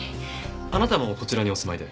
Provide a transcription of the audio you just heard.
あなたもこちらにお住まいで？